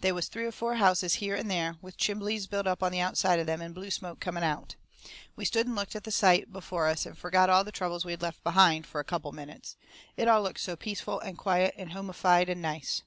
They was three or four houses here and there, with chimbleys built up on the outside of them, and blue smoke coming out. We stood and looked at the sight before us and forgot all the troubles we had left behind, fur a couple of minutes it all looked so peaceful and quiet and homeyfied and nice.